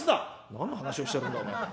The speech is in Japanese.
「何の話をしてるんだおめえ。